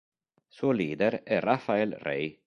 Suo leader è Rafael Rey.